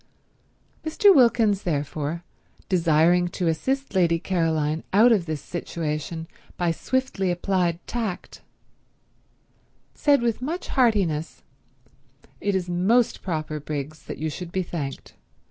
Mr. Wilkins therefore, desiring to assist Lady Caroline out of this situation by swiftly applied tact, said with much heartiness: "It is most proper, Briggs, that you should be thanked.